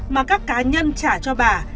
mà các cá nhân trả cho bà